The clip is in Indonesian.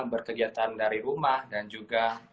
berkegiatan dari rumah dan juga